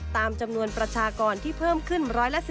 ตามจำนวนประชากรที่เพิ่มขึ้น๑๔๐